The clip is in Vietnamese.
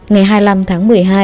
ngày hai mươi năm tháng một mươi hai